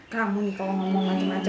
kramu nih kalau ngomong macem macem aja